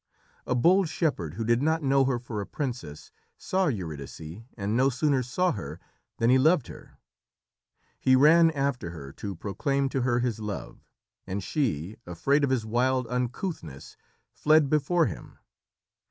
A bold shepherd, who did not know her for a princess, saw Eurydice, and no sooner saw her than he loved her. He ran after her to proclaim to her his love, and she, afraid of his wild uncouthness, fled before him.